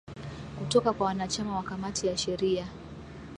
kutoka kwa wanachama wa kamati ya sheria